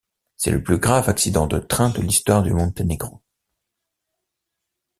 C'est le plus grave accident de train de l'histoire du Monténégro.